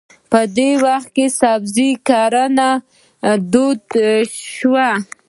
په دې وخت کې سبزي کرنه دود شوه.